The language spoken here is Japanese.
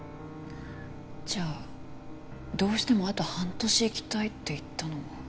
じゃあどうしてもあと半年生きたいって言ったのは